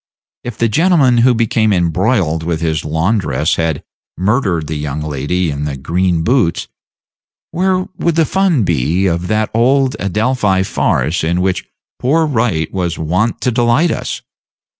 If the gentleman who became embroiled with his laundress had murdered the young lady in the green boots, where would be the fun of that old Adelphi farce in which poor Wright was wont to delight us?